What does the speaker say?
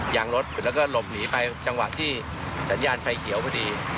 ยางรถแล้วก็หลบหนีไปจังหวะที่สัญญาณไฟเขียวพอดี